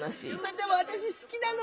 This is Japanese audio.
でも好きなの。